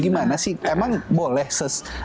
gimana sih emang boleh se